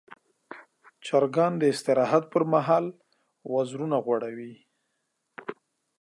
چرګان د استراحت پر مهال وزرونه غوړوي.